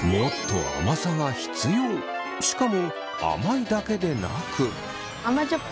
しかも甘いだけでなく。